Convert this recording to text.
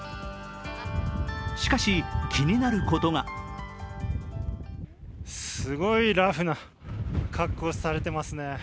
しかし気になることがすごいラフな格好をされていますね。